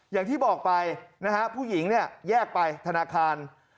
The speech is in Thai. อย่างที่บอกไปนะฮะผู้หญิงเนี่ยแยกไปธนาคาร